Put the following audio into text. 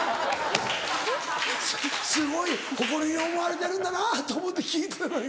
すごい誇りに思われてるんだなぁと思って聞いてたの今。